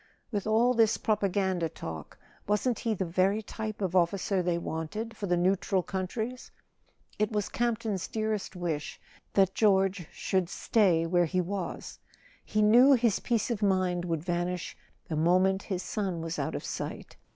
With all this propaganda talk, wasn't he the very type of officer they wanted for the neutral countries ? It was Camp ton's dearest wish that George should stay where he was; he knew his peace of mind would vanish the moment his son was out of sight.